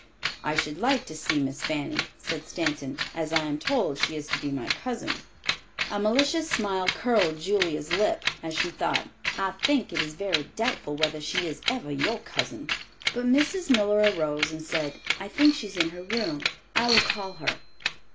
"I should like to see Miss Fanny," said Stanton, "as I am told she is to be my cousin." A malicious smile curled Julia's lip, as she thought, "I think it is very doubtful whether she is ever your cousin"; but Mrs. Miller arose and said, "I think she is in her room. I will call her."